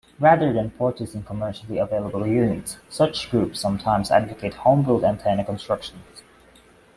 Rather than purchasing commercially available units, such groups sometimes advocate homebuilt antenna construction.